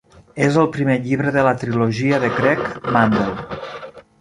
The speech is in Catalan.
És el primer llibre de la trilogia de Greg Mandel.